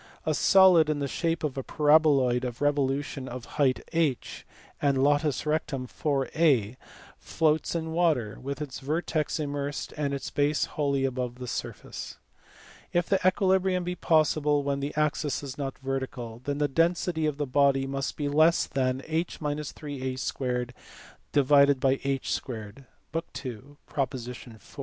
A solid in the shape of a paraboloid of revolution of height h and latus rectum 4a floats in water, with its vertex immersed and its base wholly above the surface. If equilibrium be possible when the axis is not vertical, then the density of the body must be less than (h 3a) 2 /ti* (book n. prop. 4).